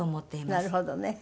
なるほどね。